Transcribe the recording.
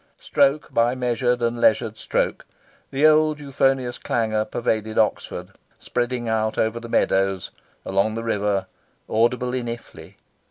Stroke by measured and leisured stroke, the old euphonious clangour pervaded Oxford, spreading out over the meadows, along the river, audible in Iffley.